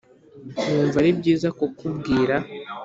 yumva ari byiza kukubwira ......